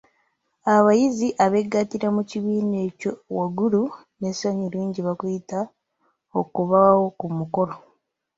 Abayizi abeegattira mu kibiina ekyo waggulu n’essanyu lingi bakuyita okubaawo ku mukolo.